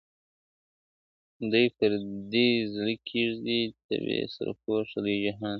دې پردۍ زړې کیږدۍ ته بې سرپوښه لوی جهان ته !.